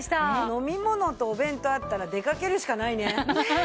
飲み物とお弁当あったら出かけるしかないね。